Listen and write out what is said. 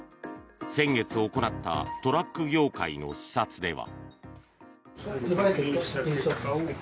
先月行ったトラック業界の視察では。